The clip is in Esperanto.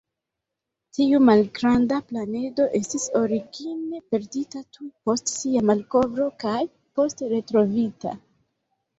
Tiu malgranda planedo estis origine perdita tuj post sia malkovro kaj poste retrovita.